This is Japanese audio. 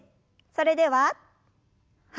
それでははい。